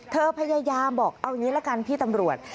เธอพยายามบอกเอาอย่างนี้ละกันพี่ตำรวจ